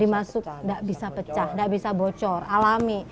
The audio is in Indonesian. masuk nggak bisa pecah nggak bisa bocor alami